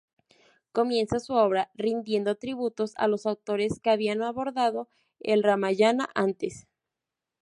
Comienza su obra rindiendo tributo a los autores que habían abordado el Ramayana antes.